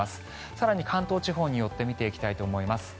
更に関東地方に寄って見ていきたいと思います。